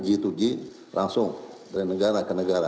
g dua g langsung dari negara ke negara